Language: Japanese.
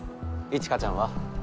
一華ちゃんは？